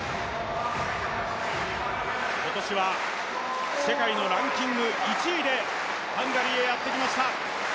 今年は世界のランキング１位でハンガリーへやって来ました。